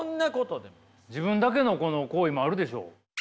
自分だけの行為もあるでしょう。